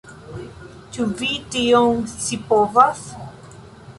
Ĉu vi tion scipovas?